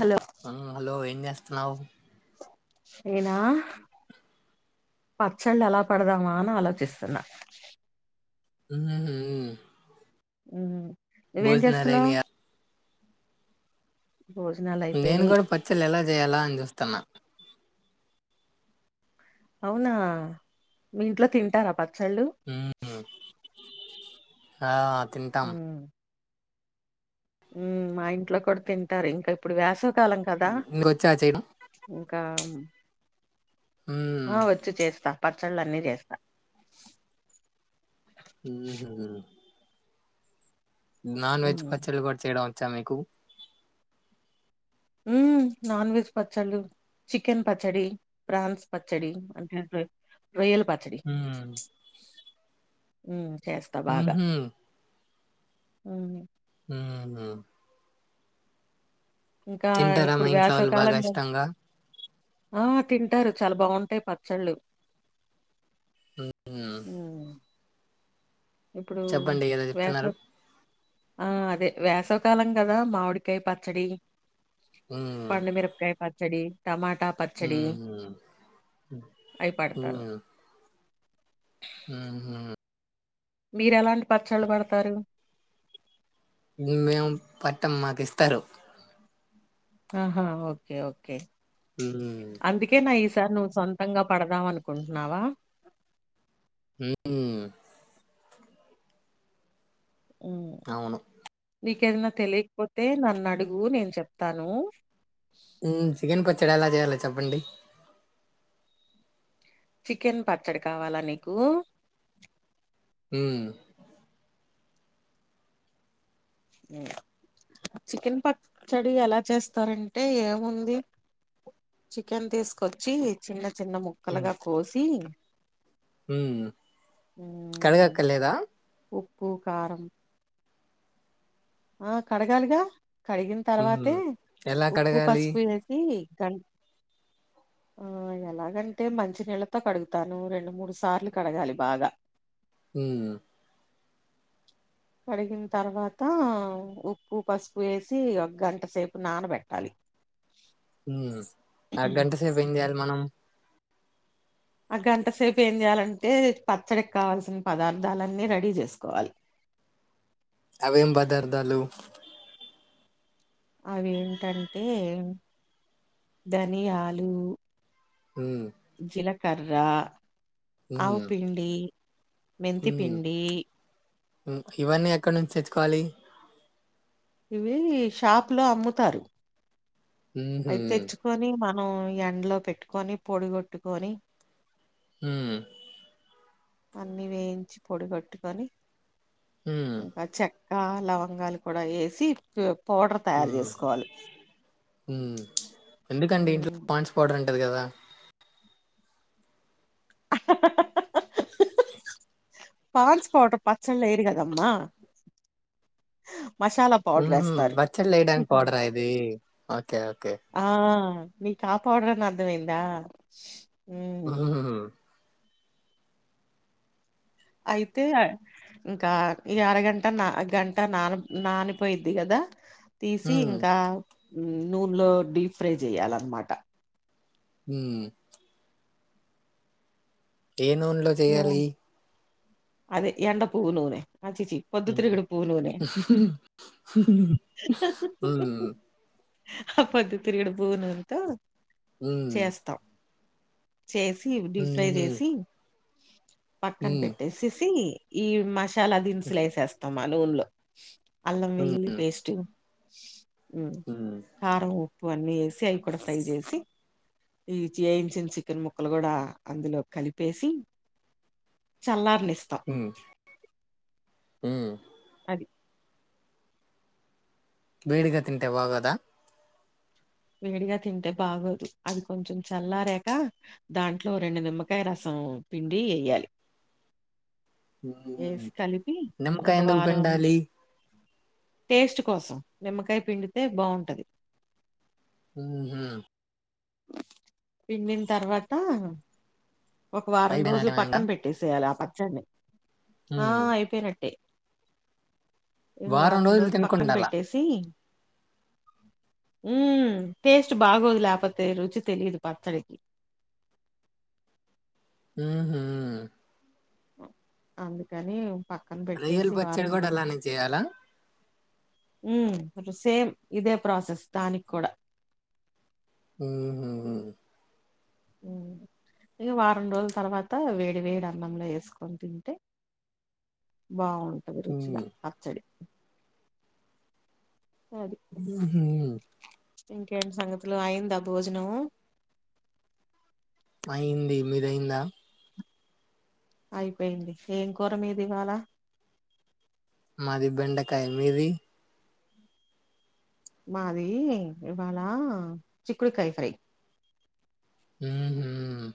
Hello ఆ hello ఏం చేస్తున్నావ్ నేనా పచ్చళ్ళు ఎలా పెడదామా అని ఆలోచిస్తున్న ఉహుమ్ మ్ ఉమ్ నువ్వేం చేస్తున్నవ్ నేను అయిపోయినాయి గూడా పచ్చళ్లు ఎలా జేయాలా అని చూత్తన్న అవునా మీ ఇంట్లో తింటారా పచ్చళ్ళు మ్మ్. ఆ తింటాం ఉమ్, ఉమ్ మా ఇంట్లో కుడ తింటారు ఇంక ఇప్పుడు వ్యసవ్ కాలం కదా నీకు వచ్చా చేయడం ఇంకా ఉ మ్మ్. ఆహ్ వచ్చి చేస్తా పచ్చళ్ళు అన్నీ చేస్తా ఉహుమ్ నాన్ వెజ్ ఉమ్, పచ్చల్లు కూడ చేయడం ఒచ్చా మీకు ఊమ్ నాన్ వెజ్ పచ్చళ్ళు చికెన్ పచ్చడి, ప్రాన్స్ పచ్చడి, అంటుంటే రొయ్యల పచ్చడి మ్మ్. చేస్తా బాగా మ్మ్. ఔను ఊహు ఇంకా తింటారా మా ఇప్పుడు ఇంట్లో వాళ్ళు బాగా వేసవికాలం కదా ఇష్టంగా ఆ తింటరు చాల బాగుంటయ్ పచ్చళ్ళు మ్మ్. ఊ ఇప్పుడూ చెప్పండి ఏదో చెప్తున్నారు వేసవ్ ఆ అదె వేసవి కాలం గదా మావిడికాయ్ పచ్చడి మ్మ్. పండుమిరపకాయ్ పచ్చడి టమాటా పచ్చడి మ్మ్. అయ్ పడతాను ఊహు మీరెలాంటి పచ్చళ్ళు పడతారు మెమేం పెట్టం మాక్ ఇస్తరు ఆహా ఓకే ఓకే ఉహు సార్ నువ్వు సొంతంగా పడదాం అనుకుంటూనా వా ఉఊ అవును ఏదన్న తెలీక్పోతే నన్న్ అడుగు నేను చెప్తాను చ్చడి ఎలా చేయాలొ చెప్పండి చికెన్ పచ్చడి కావాల నీకూ ఉమ్ హ్మ్. చికెన్ పచ్చడి ఎలా చేస్తారంటే ఏముంది చికెన్ తీస్కొచ్చి చిన్న చిన్న ముక్కలగా కోసి ఊ హ్మ్ కడగక్కర్లేదా ఉప్పు, కారం ఆ కడగాలిగా కడిగిన్ తర్వాతే హ్మ్. ఎలా ఉప్పు, కడగాలి? పసుపు వేసి కన్ ఆ ఎలాగంటే మంచి నీళ్లతో కడుగుతాను రెండు మూడు సార్లు కడగాలి బాగా ఊ కడిగిన్ తర్వాత ఉప్పు, పసుపు ఏసి ఇగ గంట సేపు నానబెట్టాలి ఊ ఆ గంట సేప్ ఏం చేయాలి మనం ఆ గంట సేప్ ఏం చేయాలంటే పచ్చడిక్ కావల్సిన పదార్థాలన్నీ రెడీ చేసుకోవాలి అవి ఏం పదదాలు అవి ఏంటంటేయ్ ధనియాలు ఊ కర్రా, ఆవుపిండి ఊ ఉ ఇవన్నీ ఎక్కడ్ నుంచి తెచ్చుకోవాలి ఇవీ షాప్ లో అమ్ముతారు హుహు. అయి తెచ్చుకొని మనం ఎండ్లో పెట్టుకొని పొడిగొట్టుకొని ఉమ్ అన్ని వేయించి పొడిగొట్టుకొని ఉమ్మ్మ్ ఆ లవంగాలు కూడ ఏసి పొ పౌడర్ తయార్ చేస్కోవాలి ఊ ఎందుకండి ఇంట్లో ఉమ్ పాన్స్ పౌడర్ ఉంటది గదా పాండ్స్ పౌడర్ ప సోల్ లెర్ కదమ్మా మసాలా పౌడర్ హుహు. వేస్తారు పచ్చళ్ళేయడానికి పౌడరా ఇది? ఓకే. ఓకే. ఆ మిక్ కాపాడరని అర్థమైందా ఉమ్ హ్మ్మ్ అయితే ఇంకా ఈ అరగంట నా గంట నాని నానిపోయిద్ది కదా తీసి హ్మ్. ఇంకా నూనెలో డిప్ఫ్రై చేయాలన్నమాట ఉమ్ ఏ నున్లో నూ చేయాలి అదే ఎండ పువ్వు నూనె ఆ ఛీఛీ హ్మ్. పొందుతిరుగుడ్ పువ్ నూనె హ్మ్ అ పొందుతిరిగుడు పువ్ నుంతో హమ్ చేసి డీ ఫ్రై హ్మ్ చేసి పక్కన హ్మ్ పెట్టేసేసి ఈ మసాలా దినుసులు వేసేస్తామా అ నుంలో అల్లం వెల్లుల్లి పేస్ట్ ఉమ్ హ్మ్ కారం ఉప్పు వన్నీ ఏసి అవి కూడా ఫ్రై చేసి ఈ చేయించిన చికెన్ ముక్కలు కూడా అందులో కలిపేసి చల్లారని హ్మ్ ఉమ్ అది వేడిగా తింటె బాగోధ వేడిగా తింటే బాగోదు అది కొంచెం చల్లారేక దాంట్లో రెండు నిమ్మకాయ రసం పిండి ఎయ్యాలి హ్మ్. వేసి కలిపి ఒక నిమ్మకాయ ఎందుకు వారం పిండాలి టేస్ట్ కోసం నిమ్మకాయ పిండితే బావుంటది ఉ హ్మ్మ్ పిండిన్ తర్వాత ఒక వారం రోజు అయిపోయినాక పక్కన పెట్టేసేయాలి ఆ పచ్చడ్నె ఆ హ్మ్. అయిపోయినట్టే ఈగ వారం రోజ రోజులు పక్కన తినకుండాల పెట్టేసి ఉమ్ టేస్ట్ బాగోదు లేకపోతే రుచి తెలిదు పచ్చడికి ఊహ్మ్మ్ అందుకని పక్కన రొయ్యల పెట్టేసి వారం పచ్చడి రో కూడా అలానే చేయాలా ఉమ్ సేమ్ ఇదే ప్రాసెస్ దానికి కూడా ఊహ్మ్మ్ మ్ ఇగ వారం రోజుల తర్వాత వేడి వేడి అన్నంలో వేసుకొని తింటే బాగుంటది రుచిగా హ్మ్. పచ్చడి మ్ హమ్ ఇంకేమి సంగతులూ అయిందా భోజనం అయింది మీద్ అయిందా అయిపోయింది ఏం కూర మీది ఇవాల మాది బెండకాయ మీది మాది ఇవాళ చిక్కుడుకాయ ఫ్రై ఉహ్మ్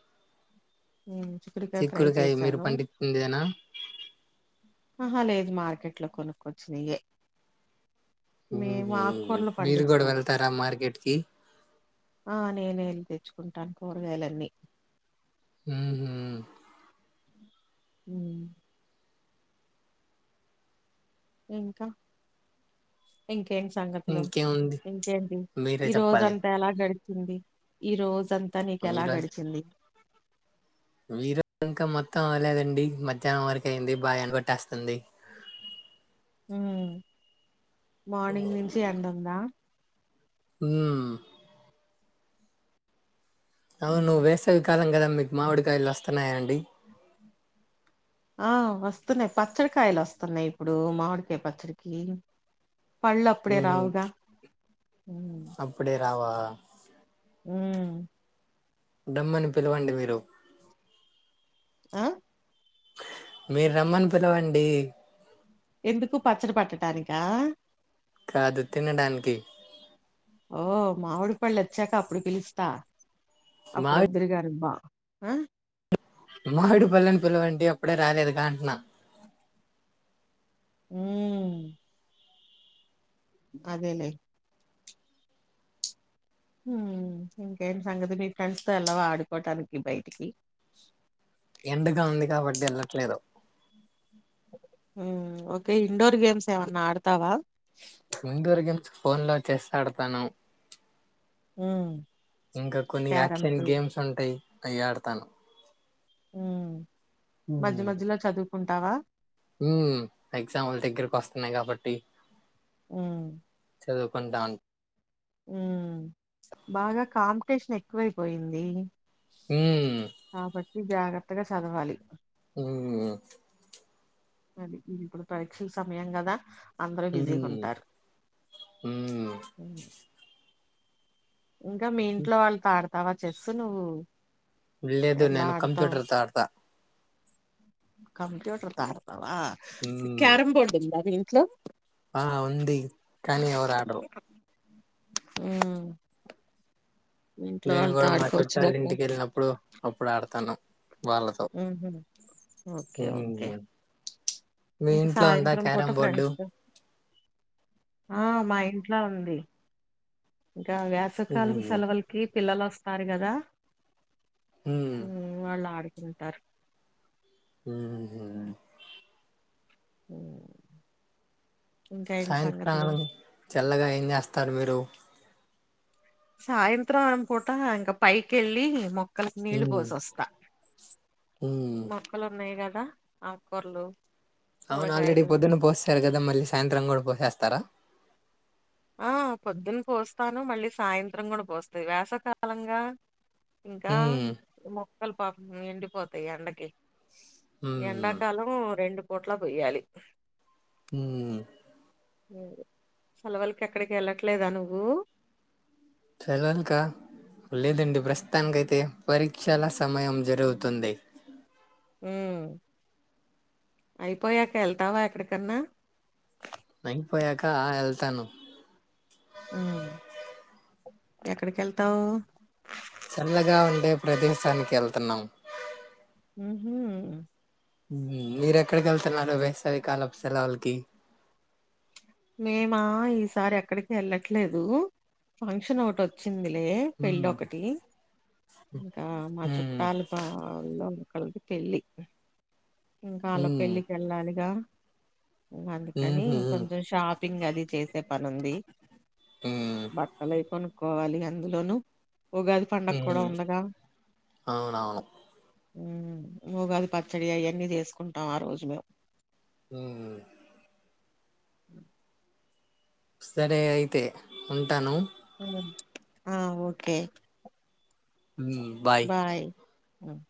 ఉమ్ చిక్కుడుకాయ ఫ్రై మీరు చేసను పండించిందేనా ఆహా లేదు మార్కెట్లో కొనుక్కొచ్చినయే ఉమ్ మేము ఆకుకూరలు మీరు కూడా పండిస్తాం వెళ్తారా మార్కెట్ కి ఆ నేనే వెళ్లి తెచ్చుకుంటాను కూరగాయలన్నీ ఊహ్మ్మ్మ్ ఉమ్ ఇంకా ఇంక్ ఎమ్ సంగతిలో ఇంకేముంది ఇంకేంటి మీరే ఈ చెప్పాలి రోజంతా ఎలా గడిచింది ఈ రోజ్ దంత నీకెలా గడిచింది మీరో ఇంకా మొత్తం అవ్వలేదండి మధ్యాహ్నం వరకు అయింది బాగా ఎండ కొట్టెస్తుంది ఉమ్ మార్నింగ్ నుంచి ఎండ ఉందా ఉమ్ అవును వేసవి కాలం కదా మీకు మామిడికాయలు వస్తున్నాయాండి ఆ వస్తున్నాయి పచ్చడికాయలు వస్తున్నాయి ఇప్పుడు మామిడికాయ పచ్చడికి పళ్ళు అప్పుడే మ్మ్. రావుగా ఉమ్ అప్పుడే రావా ఉమ్ డమ్మని పిలవండి మీరు ఆ మీర్ రమ్మని పిలవండి ఎందుకు పచ్చడి పట్టటానికా కాదు తినడానికి ఓ మామిడి పళ్ళు వచ్చాక అప్పుడు పిలుస్తా మామిడి అప్పుడువద్దురు గాని బా ఆ మామిడి పళ్ళను పిల్లవంటి అప్పుడే రాలేదు గా అంటున్న ఉమ్ అదేలే ఉమ్ ఇంకేంటి సంగతిలు మీ ఫ్రెండ్స్ తో వెళ్ళావా ఆడుకోటానికి బయటికి ఎండగా ఉంది కాబట్టి అని ఎల్లట్లలేదు ఉమ్ ఓకే ఇండోర్ గేమ్స్ ఏమన్నా ఆడుతావా ఫోన్ లో చెస్ ఆడుతాను ఉమ్ ఇంకా కొన్ని యాక్షన్ క్యారమ్స్ గేమ్స్ ఉంటాయి అయ్యి ఆడు తాను ఉమ్ మజ్య మజ్యలో చదువుకుంటావా ఉమ్ ఎగ్జాములు దగ్గరకు వస్తున్నాయి కాబట్టి ఉమ్ చదువుకుంటాన్ ఉమ్ బాగా కాంపిటీషన్ ఎక్కువైపోయింది ఉమ్ ఇ జాగ్రత్తగా చదువలి ఉమ్ మరి ఇది ఇప్పుడు పరీక్షల సమయం కదా అందరూ బిజీగా హ్మ్. ఉంటారు హ్మ్. ఉమ్ ఇంకా మీ ఇంట్లో వాళ్లతో ఆడుతావా చెస్సు నువ్వు లేదు ఎలా నేను ఆడతావు కంప్యూటర్ తో ఆడుత కంప్యూటర్ తో ఆడుతావా హ్మ్. క్యారం బోర్డ్ ఉందా మీ ఇంట్లో ఆ ఉంది కానీ ఎవరు ఆడారు ఉమ్ నేను కూడా మా చుట్టళ్ళ ఇంటికి ఎళ్ళినప్పుడు అప్పుడు ఆడుతాను ఉహ్మ్ ఓకే ఓకే హ్మ్. మీ ఇంకా ఇంట్లో ఉందా సాయంత్రం పూట క్యారమ్ బోర్డు? ఫ్రెండ్స్ తో ఆ మా ఇంట్లా ఉంది ఇంకా వేసకాలం హ్మ్. సెలవులకి పిల్లలు వస్తారు కదా హ్మ్. ఉమ్ వాళ్లు ఆడి ఉంటారు ఉహ్మ్ ఉమ్ సాయంకాలం చల్లగా ఏం చేస్తారు మీరు సాయంత్రారం పూట ఇంకా పైకెళ్ళి మొక్కలకి నీళ్ళు హ్మ్. పోసి వస్తా హ్మ్. మొక్కలు ఉన్నాయి కదా ఆకూర్లో అవును ఆల్రెడీ పొద్దున్న పోసారు కదా మళ్ళీ సాయంత్రం కూడా పోసేస్తారా ఆ పొద్దున్ పోస్తాను మళ్ళీ సాయంత్రం కూడా పోస్తా వేసకాలంగా ఇంకా హ్మ్. మొక్కలు ఈ పాపం ఎండిపోతాయి ఎండకి హ్మ్. ఎండాకాలం రెండు పూట్ల పోొయ్యాలి ఉమ్ సెలవులకి ఎక్కడికి ఎళ్ళట్లేదా నువ్వు సెలెల్కా లేదండి ప్రస్తుతానికిైతే పరీక్షల సమయం జరుగుతుంది ఉం అయిపోయాక ఎల్ళ్తావా ఎక్కడికన్నా నంగిపోయాక ఆ ఎళ్తాను ఉమ్ ఎక్కడికి ఏళ్తావు భద్రసానికి ఏళ్తున్నాం ఉహ్మ్ ఉం మీరు ఎక్కడికి ఎళ్తున్నారు వేసవికాలపు సెలవుళకి మేమా ఈసారి ఎక్కడికి ఎళ్ళట్లేదు ఫంక్షన్ ఒకటి వచ్చింది లే పెళ్ళ హ్మ్. ఒకటి ఇంకా మా హ్మ్. చుట్టాల తో వెళ్ళాలి క్కలకి పెళ్ళి ఇంకా అళ్లా హ్మ్. పెళ్ళికి ఎళ్ళాలిగా ఉం అందుకని హుహు. కొం షాపింగ్ అది చేసే పని ఉంది హ్మ్. బట్టలు కొనుక్కోవాలి అ అందులోనుూ ఉగాది పండక్క కుడా హ్మ్. ఉందిగా అవునవును. ఉమ్ ఉగాది పచ్చడి అయన్నీ చేసుకుంటాం ఆ రోజు మేము ఉం సరే అయితే ఉంటాను ఉమ్ ఆ ఓకే ఉమ్ బాయ్ ఉమ్